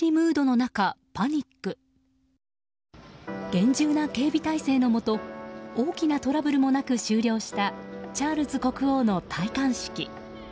厳重な警備体制のもと大きなトラブルもなく終了したチャールズ国王の戴冠式。